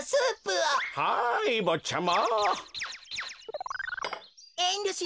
はいぼっちゃま。